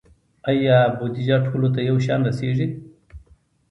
آیا بودیجه ټولو ته یو شان رسیږي؟